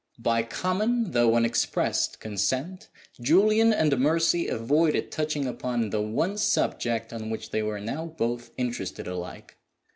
By common (though unexpressed) consent, Julian and Mercy avoided touching upon the one subject on which they were now both interested alike.